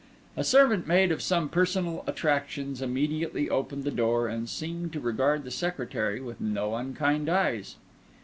A servant maid of some personal attractions immediately opened the door, and seemed to regard the secretary with no unkind eyes.